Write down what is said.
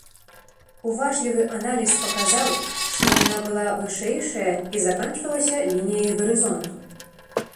Уважлівы аналіз паказаў, што яна была вышэйшая і заканчвалася лініяй гарызонту.